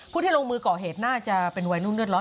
ที่ลงมือก่อเหตุน่าจะเป็นวัยรุ่นเลือดร้อน